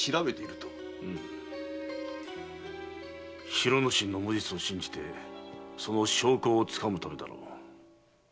広之進の無実を信じてその証拠をつかむためだろう。